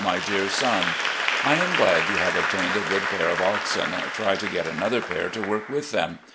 My Dear Son: I am glad you have obtained a good pair of oxen. Try to get another pair to work with them.